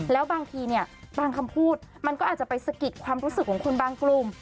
แล้วบางทีเนี่ยบางคำพูดมันก็อาจจะไปสะกิดความรู้สึกของคุณบางกลุ่ม